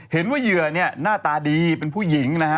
เหยื่อเนี่ยหน้าตาดีเป็นผู้หญิงนะฮะ